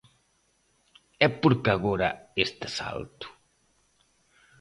E por que agora este salto?